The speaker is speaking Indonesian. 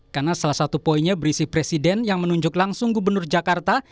karena salah satu poinnya berisi presiden yang menunjuk langsung gubernur jakarta